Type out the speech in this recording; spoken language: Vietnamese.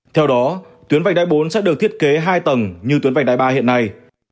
theo đó tuyến vạch đáy bốn sẽ được thiết kế hai tầng như tuyến vạch đáy ba hiện nay